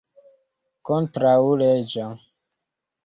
kontraŭleĝa